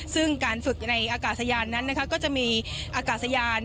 ซึ่งการฝึกในอากาศยานนั้นนะคะก็จะมีอากาศยาน